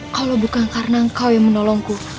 kalau bukan karena engkau yang menolongku